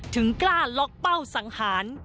ถึงกล้าล็อกเป้าสังหาร